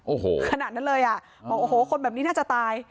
โอ้โหขนาดนั้นเลยอ่ะบอกโอ้โหคนแบบนี้น่าจะตาย